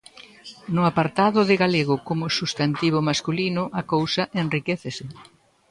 No apartado de galego como substantivo masculino, a cousa enriquécese.